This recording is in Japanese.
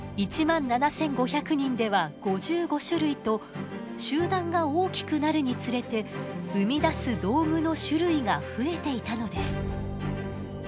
１万７，５００人では５５種類と集団が大きくなるにつれて生み出す道具の種類が増えていたのです。